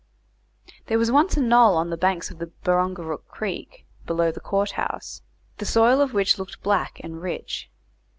There was once a knoll on the banks of the Barongarook Creek, below the court house, the soil of which looked black and rich.